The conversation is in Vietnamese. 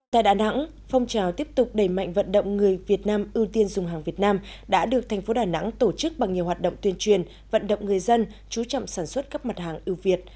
tại đà nẵng phong trào tiếp tục đẩy mạnh vận động người việt nam ưu tiên dùng hàng việt nam đã được thành phố đà nẵng tổ chức bằng nhiều hoạt động tuyên truyền vận động người dân chú trọng sản xuất các mặt hàng ưu việt